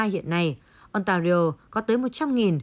hiện nay ontario có tới